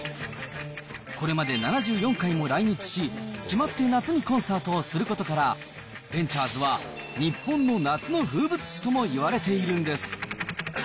これまで７４回も来日し、決まって夏にコンサートをすることから、ザ・ベンチャーズは日本の夏の風物詩とも言われているんです。